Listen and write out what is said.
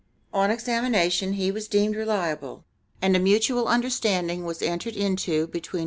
On examination he was deemed reliable, and a mutual understanding was entered into between.